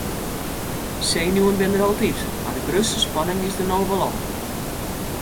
Senuwen binne der altyd mar de grutste spanning is der no wol ôf.